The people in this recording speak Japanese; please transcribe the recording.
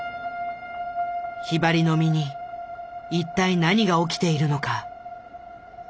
ひばりの身に一体何が起きているのか？